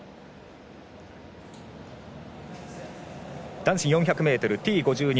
男子４００ｍＴ５２